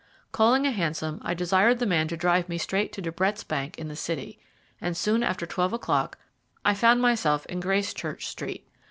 Calling a hansom, I desired the man to drive me straight to De Brett's bank in the City, and soon after twelve o'clock I found myself in Gracechurch Street.